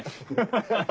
ハハハ。